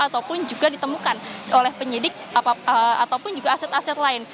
ataupun juga ditemukan oleh penyidik ataupun juga aset aset lain